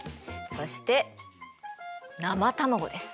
そして生卵です。